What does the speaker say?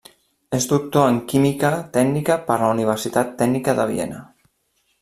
És doctor en Química tècnica per la Universitat Tècnica de Viena.